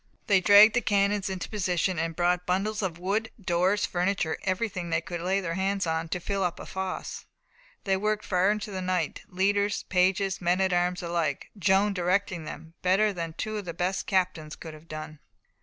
They dragged the cannons into position, and brought bundles of wood, doors, furniture, everything they could lay hands on, to fill up the fosse. They worked far into the night leaders, pages, men at arms alike Joan directing them "better than two of the best captains could have done."